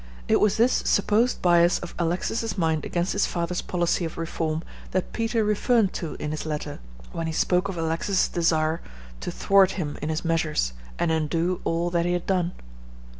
It was this supposed bias of Alexis's mind against his father's policy of reform that Peter referred to in his letter when he spoke of Alexis's desire to thwart him in his measures and undo all that he had done.